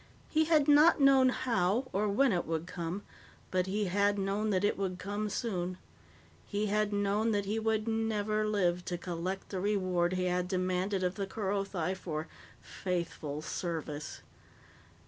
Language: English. He had not known how or when it would come, but he had known that it would come soon. He had known that he would never live to collect the reward he had demanded of the Kerothi for "faithful service."